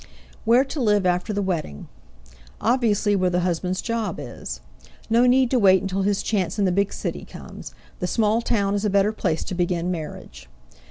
Where to live after the wedding? Obviously where the husband's job is. No need to wait until his chance in the big city comes; the small town is a better place to begin marriage.